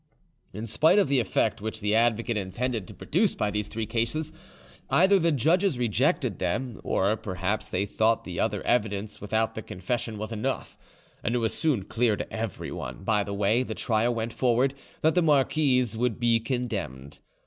In spite of the effect which the advocate intended to produce by these three cases, either the judges rejected them, or perhaps they thought the other evidence without the confession was enough, and it was soon clear to everyone, by the way the trial went forward, that the marquise would be condemned.